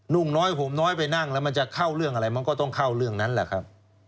นุ่งน้อยผมน้อยไปนั่งแล้วมันจะเข้าเรื่องอะไรมันก็ต้องเข้าเรื่องนั้นแหละครับ